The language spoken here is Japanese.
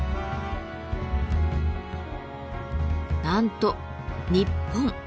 なんと日本。